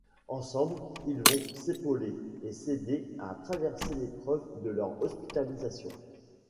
Ensemble ils vont s’épauler et s’aider à traverser l’épreuve de leur hospitalisation.